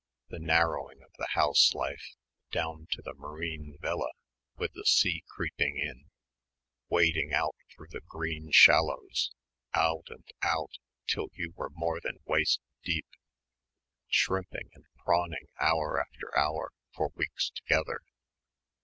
the narrowing of the house life down to the Marine Villa with the sea creeping in wading out through the green shallows, out and out till you were more than waist deep shrimping and prawning hour after hour for weeks together